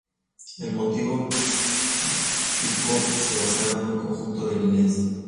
El motivo pictórico se basaba en un conjunto de líneas.